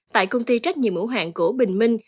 tại công ty trách nhiệm mẫu hạng gỗ bình minh